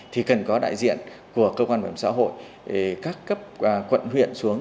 thì cần có đại diện của cơ quan bảo hiểm xã hội các cấp quận huyện xuống